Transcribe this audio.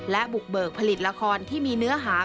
และบุกเบิกผลิตละครที่มีเนื้อหา